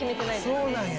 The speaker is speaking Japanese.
そうなんや。